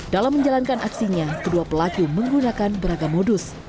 dalam menjalankan aksinya kedua pelaku menggunakan beragam modus